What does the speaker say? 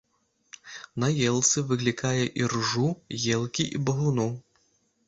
На елцы выклікае іржу елкі і багуну.